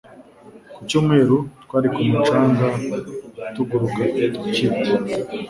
Ku cyumweru twari ku mucanga tuguruka kite.